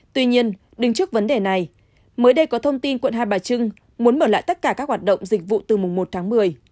tuy nhiên đứng trước vấn đề này mới đây có thông tin quận hai bà trưng muốn mở lại tất cả các hoạt động dịch vụ từ mùng một tháng một mươi